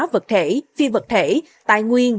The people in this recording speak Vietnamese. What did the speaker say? vật thể phi vật thể tài nguyên